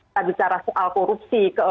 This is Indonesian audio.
tadi secara soal korupsi